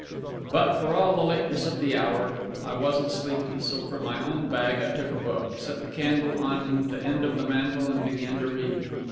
But, for all the lateness of the hour, I wasn't sleepy; so from my own bag I took a book, set the candle on the end of the mantel, and began to read.